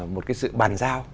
một cái sự bàn giao